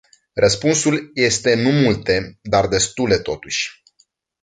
Răspunsul este nu multe, dar destule totuși.